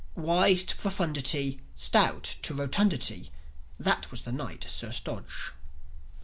Wise to profundity, Stout to rotundity, That was the Knight, Sir Stodge.